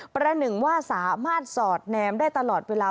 ประหนึ่งว่าสามารถสอดแนมได้ตลอดเวลา